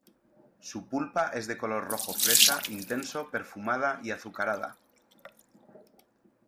Su pulpa es de color rojo fresa intenso perfumada y azucarada.